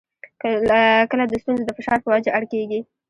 کله د ستونزو د فشار په وجه اړ کېږي.